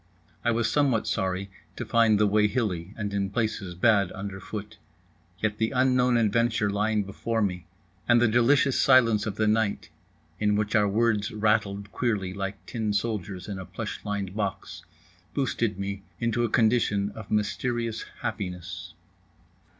I was somewhat sorry to find the way hilly, and in places bad underfoot; yet the unknown adventure lying before me, and the delicious silence of the night (in which our words rattled queerly like tin soldiers in a plush lined box) boosted me into a condition of mysterious happiness.